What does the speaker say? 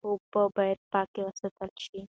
اوبه باید پاکې وساتل شي.